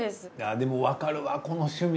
でもわかるわこの趣味。